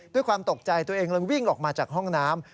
ด้วยความตกใจตัวเองเลยวิ่งออกมาจากห้องน้ำ